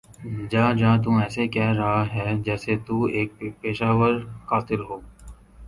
جاجا تو ایسے کہ رہا ہے جیسے تو ایک پیشہ ور قاتل ہو